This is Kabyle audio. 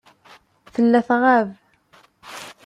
Tella tɣab.